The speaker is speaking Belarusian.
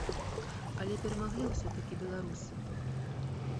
Але перамаглі ўсё-такі беларусы!